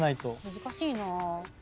難しいな。